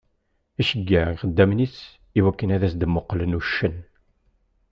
Iceyyeε ixeddamen-is i wakken ad as-d-muqqlen uccen.